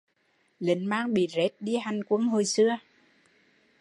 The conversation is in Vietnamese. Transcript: Lính mang bị rết đi hành quân hồi xưa